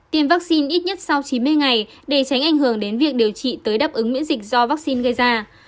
tiêm vaccine ít nhất sau chín mươi ngày để tránh ảnh hưởng đến việc điều trị tới đáp ứng miễn dịch do vaccine gây ra